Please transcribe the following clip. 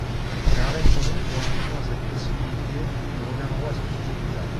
Mais arrêtons-nous pour l’instant à cette possibilité, nous reviendrons à ce sujet plus tard.